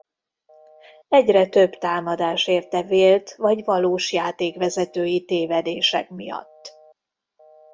Egyre több támadás érte vélt vagy valós játékvezetői tévedések miatt.